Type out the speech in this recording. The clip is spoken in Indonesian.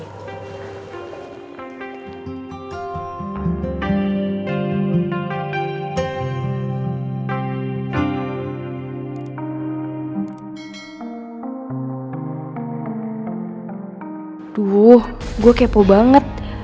aduh gue kepo banget